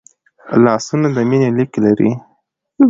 لاسونه د مینې لیک لري